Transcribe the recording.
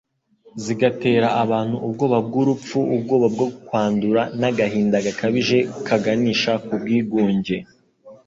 zigatera abantu ubwoba bw'urupfu, ubwoba bwo kwandura n'agahinda gakabije kaganisha k'ubwigunge.